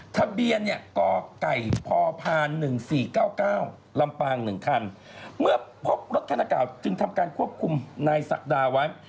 ทะเบียนเนี่ยก็ไก่พอพาน๑๔๙๙ลำปาง๑คันเมื่อพบรถธนกราบจึงทำการควบคุมในศักดาไว้